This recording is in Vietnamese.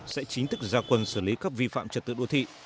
sẽ chính thức ra quân xử lý các vi phạm trật tự đô thị